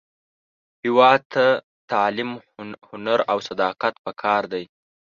هیواد ته تعلیم، هنر، او صداقت پکار دی